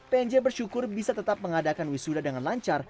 pnj bersyukur bisa tetap mengadakan wisuda dengan lancar